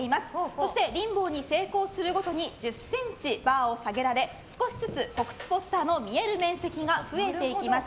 そしてリンボーに成功するごとに１０ｃｍ、バーを下げられ少しずつ告知ポスターの見える面積が増えていきます。